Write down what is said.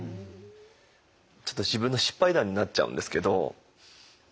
ちょっと自分の失敗談になっちゃうんですけど。